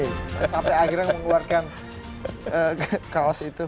sampai akhirnya mengeluarkan kaos itu